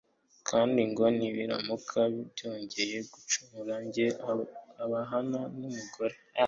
kandi ngo nibaramuka bongeye gucumura, ajye abahana mu rugero